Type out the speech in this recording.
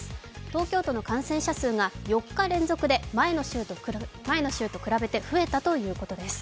東京都の感染者数が４日連続で前の週と比べて増えたということです。